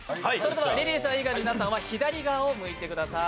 リリーさん以外の皆さんは左側を向いてください。